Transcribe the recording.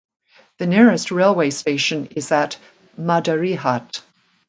The nearest railway station is at Madarihat.